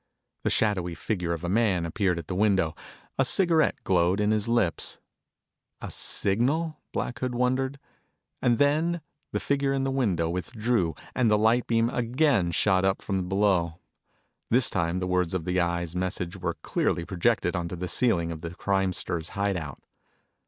The shadowy figure of a man appeared at the window. A cigarette glowed in his lips. A signal, Black Hood wondered? And then the figure in the window withdrew and the light beam again shot up from below. This time the words of the Eye's message were clearly projected onto the ceiling of the crimester's hideout.